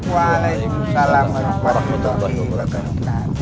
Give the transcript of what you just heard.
wa'alaikumsalam warahmatullahi wabarakatuh